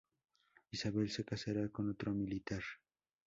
Isabel se casará con otro militar.